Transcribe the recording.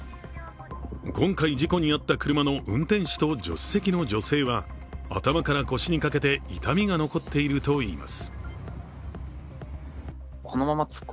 今回事故に遭った車の運転席と助手席の女性は頭から腰にかけて痛みが残っているといいます。